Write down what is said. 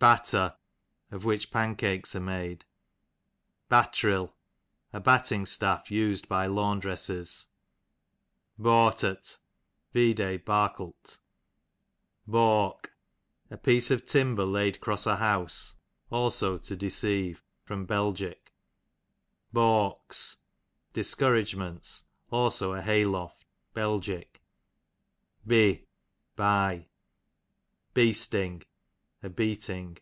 Batter, of which pancakes are made. Battril, a batting staff us'd by laundresses. Bautert, vide barklt. Bawk, a piece of timber laid cross a house ; also to deceive. Bel. Bawks, discouragements ; also a hay loft. Bel. Be, by. Beasting, a beating.